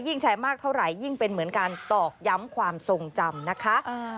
แชร์มากเท่าไหร่ยิ่งเป็นเหมือนการตอกย้ำความทรงจำนะคะ